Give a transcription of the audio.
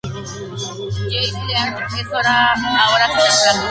Jesse Leach es ahora su reemplazo.